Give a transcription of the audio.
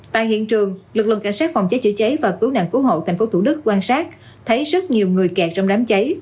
tại hiện trường lực lượng cảnh sát phòng cháy chữa cháy và cứu nạn cứu hộ tp thủ đức quan sát thấy rất nhiều người kẹt trong đám cháy